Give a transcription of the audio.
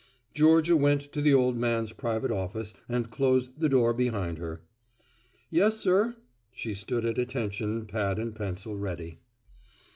Georgia went to the old man's private office and closed the door behind her. "Yes, sir." She stood at attention, pad and pencil ready.